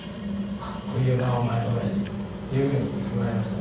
「かっこいいよなお前の親父」っていうふうに言われましたね。